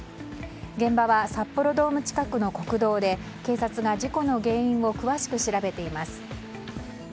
現場は札幌ドーム近くの国道で警察が事故の原因を詳しく調べています。